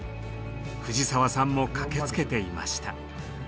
藤澤さんも駆けつけていました。